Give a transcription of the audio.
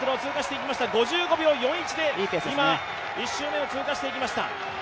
５５秒４１で今、１周目を通過していきました。